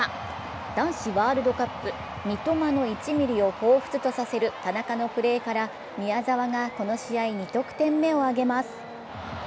男子ワールドカップ三笘の１ミリを彷彿とさせる田中のプレーから宮澤がこの試合、２得点目を挙げます。